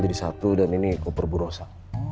jadi satu dan ini koper bu rosa